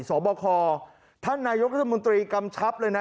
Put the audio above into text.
สอบคอท่านนายกรัฐมนตรีกำชับเลยนะ